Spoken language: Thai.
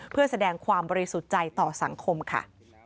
เพื่อแสดงความบริสุทธิ์ใจต่อสังคมค่ะ